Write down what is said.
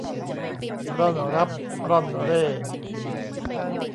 ร่อนรับร่อนเร่